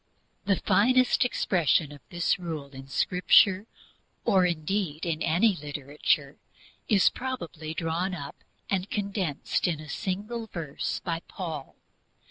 The finest expression of this rule in Scripture, or indeed in any literature, is probably one drawn up and condensed into a single verse by Paul.